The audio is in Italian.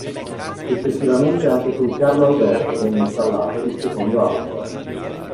Successivamente anche sul "Carlo Alberto" venne installato il secondo albero.